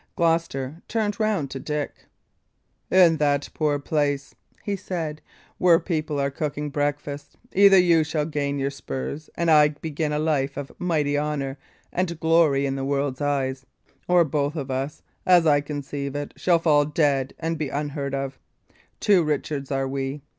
Gloucester turned round to Dick. "In that poor place," he said, "where people are cooking breakfast, either you shall gain your spurs and I begin a life of mighty honour and glory in the world's eye, or both of us, as I conceive it, shall fall dead and be unheard of. Two Richards are we.